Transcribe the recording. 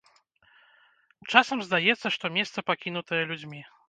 Часам здаецца, што месца пакінутае людзьмі.